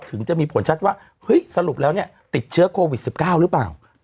ถึงจะมีผลชัดว่าเฮ้ยสรุปแล้วเนี่ยติดเชื้อโควิด๑๙หรือเปล่า